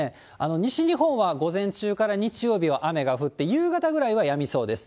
西日本は午前中から日曜日は雨が降って、夕方ぐらいはやみそうです。